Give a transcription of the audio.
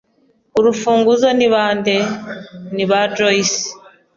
"Urufunguzo ni bande?" "Ni aba Joyce."